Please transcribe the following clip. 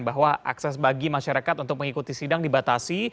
bahwa akses bagi masyarakat untuk mengikuti sidang dibatasi